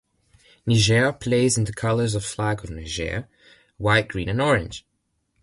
Niger plays in the colors of the flag of Niger, white, green and orange.